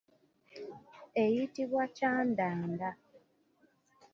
Eyitibwa kyandanda.